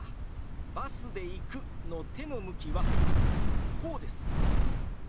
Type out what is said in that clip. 「バスで行く」の手の向きはこうです！